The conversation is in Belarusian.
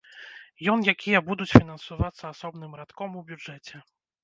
Ён якія будуць фінансавацца асобным радком у бюджэце.